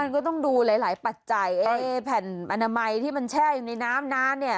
ก็ต้องดูหลายปัจจัยแผ่นอนามัยที่มันแช่อยู่ในน้ำนานเนี่ย